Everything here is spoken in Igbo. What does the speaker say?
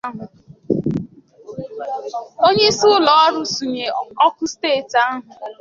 onyeisi ụlọọrụ nsọnyụ ọkụ steeti ahụ